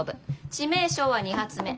致命傷は２発目。